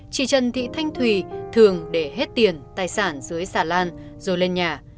chị trần thị thanh thùy thường để hết tiền tài sản dưới xà lan rồi lên nhà